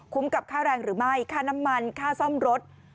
กับค่าแรงหรือไม่ค่าน้ำมันค่าซ่อมรถ